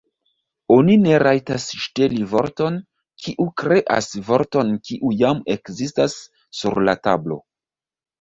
Oni ne rajtas ŝteli vorton kiu kreas vorton kiu jam ekzistas sur la tablo.